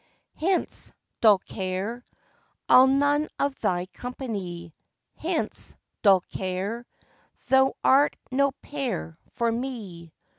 Hence, dull care, I'll none of thy company; Hence, dull care, Thou art no pair for me.